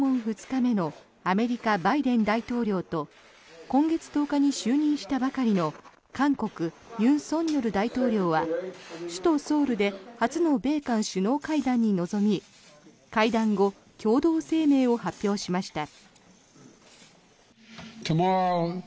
２日目のアメリカ、バイデン大統領と今月１０日に就任したばかりの韓国、尹錫悦大統領は首都ソウルで初の米韓首脳会談に臨み会談後共同声明を発表しました。